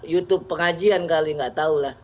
youtube pengajian kali nggak tahu lah